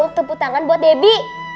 untuk tepuk tangan buat debi